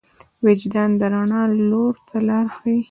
وجدان د رڼا لور ته لار ښيي.